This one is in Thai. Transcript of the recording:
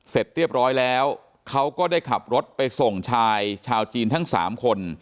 เสร็จเรียบร้อยแล้วเขาก็ได้ขับรถไปส่งชายชาวจีนทั้ง๓คน